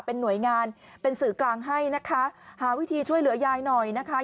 เป็นหน่วยงานเป็นสื่อกลางให้นะคะหาวิธีช่วยเหลือยายหน่อยนะคะ